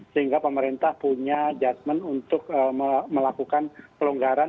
sehingga pemerintah punya adjustment untuk melakukan pelonggaran